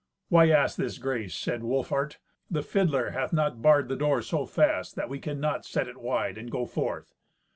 "Why ask this grace?" said Wolfhart. "The fiddler hath not barred the door so fast that we cannot set it wide, and go forth."